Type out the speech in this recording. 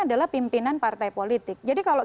adalah pimpinan partai politik jadi kalau